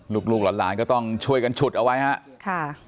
ลูกหลานก็ต้องช่วยกันฉุดเอาไว้ครับ